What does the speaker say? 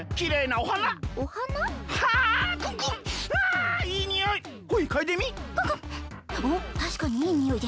おったしかにいいにおいですね。